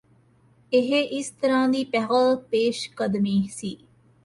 ਇਹ ਇਸ ਤਰ੍ਹਾਂ ਦੀ ਪਹਿਲ ਪੇਸ਼ਕਦਮੀ ਸੀ